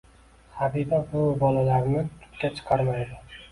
Habiba buvi bolalarni tutga chiqarmaydi.